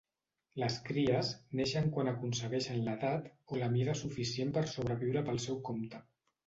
Les cries neixen quan aconsegueixen l'edat o la mida suficient per sobreviure pel seu compte.